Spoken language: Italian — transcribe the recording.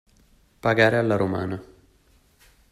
Pagare alla romana.